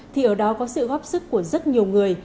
thì ở đó có sự góp sức của rất nhiều người